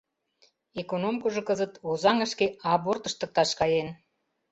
Экономкыжо кызыт Озаҥышке аборт ыштыкташ каен».